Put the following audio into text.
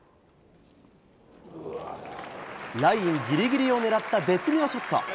ラインぎりぎりを狙った絶妙ショット。